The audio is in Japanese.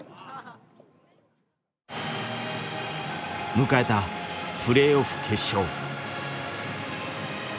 迎えたプレーオフ決勝。